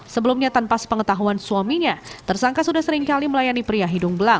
sebelumnya tanpa sepengetahuan suaminya tersangka sudah seringkali melayani pria hidung belang